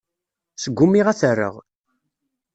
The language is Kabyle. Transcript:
Sgumiɣ ad t-rreɣ.